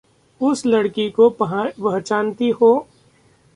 उस लड़की को पहचानती हो?